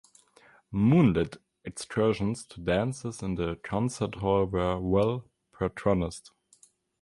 Moonlit excursions to dances in the concert hall were well patronised.